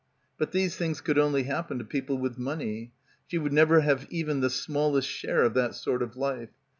But these things could only happen to people with money. She would never have even the smallest share of that sort of life.